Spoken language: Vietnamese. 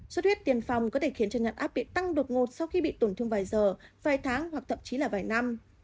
xuất huyết tiền phòng có thể khiến cho nạn áp bị tăng đột ngột sau khi bị tổn thương vài giờ vài tháng hoặc thậm chí là vài năm